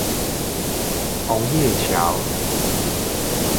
紅葉橋